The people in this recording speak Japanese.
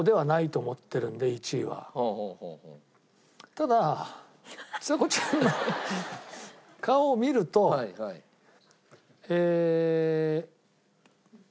ただちさ子ちゃんの顔を見るとええ。